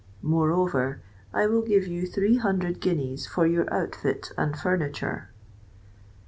Moreover, I will give you three hundred guineas for your outfit and furniture."